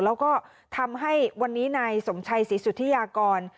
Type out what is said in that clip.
แล้วก็ทำให้วันนี้นายสมชัยศรีสุธิยากร